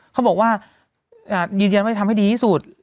เขาบอกว่ายืนยันว่าจะทำให้ดีที่สุด